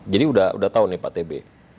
jadi sudah tahu nih pak tb